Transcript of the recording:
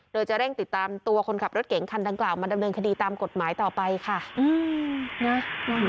โดยจะเร่งติดตามตัวคนขับรถเก๋งคันดังกล่าวมาดำเนินคดีตามกฎหมายต่อไปค่ะอืมนะ